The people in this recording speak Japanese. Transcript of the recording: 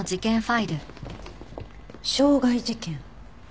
傷害事件？